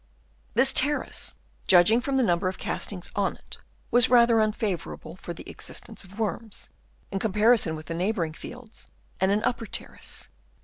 This terrace, judging from the number of castings on it, was rather unfavourable for the existence of worms, in comparison with the neighbouring fields and an upper terrace.